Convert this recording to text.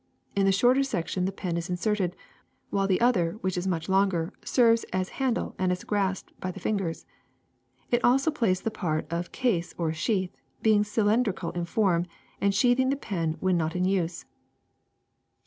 Into the shorter section the pen is inserted, while the other, which is much longer, serves as handle and is grasped by the fingers. It also plays the part of case or sheath, being cylindrical in form and sheathing the pen when not in use.